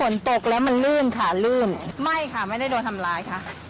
เราไม่ได้โดรทำร้าย